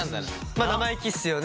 まあ生意気っすよね。